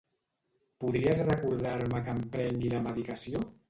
Podries recordar-me que em prengui la medicació?